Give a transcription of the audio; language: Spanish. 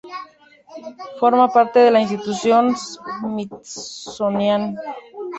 Forma parte de la Institución Smithsonian.